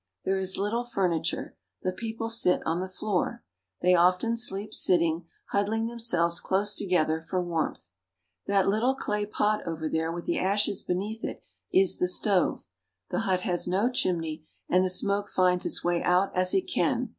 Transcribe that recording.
There is little furniture. The people sit on the floor. They often sleep sitting, huddling themselves close together for warmth. That little clay pot over there with the ashes beneath it is the stove. The hut has no chimney, and the smoke finds its way out as it can.